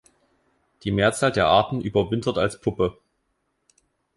Die Mehrzahl der Arten überwintert als Puppe.